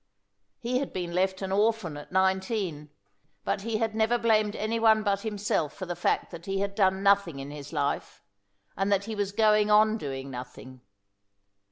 He had been left an orphan at nineteen, but he had never blamed any one but himself for the fact that he had done nothing in his life, and that he was going on doing nothing.